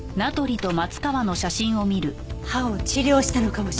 歯を治療したのかもしれない。